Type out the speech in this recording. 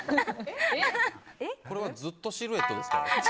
これはずっとシルエットですか。